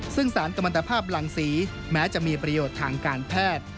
ซึ่งสารกำลังตภาพหลังสีแม้จะมีประโยชน์ทางการแพทย์